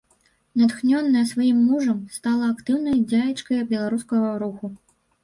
Натхнёная сваім мужам, стала актыўнай дзяячкай беларускага руху.